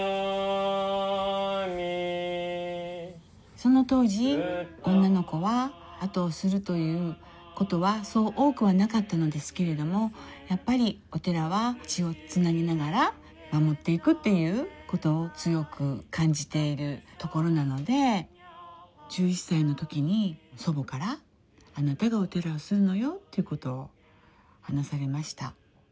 その当時女の子は後をするということはそう多くはなかったのですけれどもやっぱりお寺は血を繋げながら守っていくということを強く感じているところなので１１歳の時に祖母から「あなたがお寺をするのよ」っていうことを話されました。